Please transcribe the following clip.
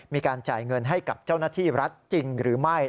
มีการจ่ายเงินให้กับเจ้าหน้าที่รัฐจริงหรือไม่